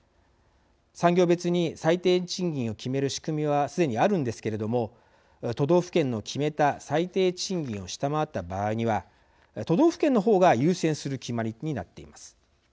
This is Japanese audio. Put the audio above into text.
産業別に最低賃金を決める仕組みはすでにあるんですけども都道府県の決めた最低賃金を下回った場合には都道府県の方が優先する決まりになっています。